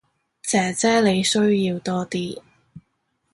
姐姐你需要多啲